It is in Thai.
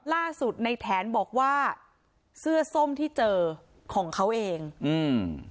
ล่าสุดในแถนบอกว่าเสื้อส้มที่เจอของเขาเองอืม